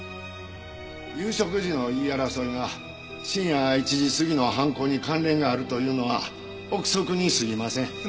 夕食時の言い争いが深夜１時過ぎの犯行に関連があるというのは臆測に過ぎません。